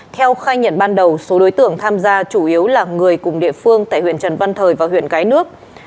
theo khai nhận ban đầu số đối tượng tham gia chủ yếu là người cùng địa phương tại huyện trần văn thời và huyện cái nước